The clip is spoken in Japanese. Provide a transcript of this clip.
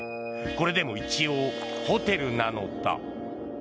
これでも一応、ホテルなのだ。